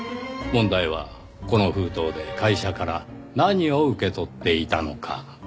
問題はこの封筒で会社から何を受け取っていたのか。